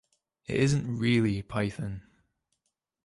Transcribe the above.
It isn't really 'Python.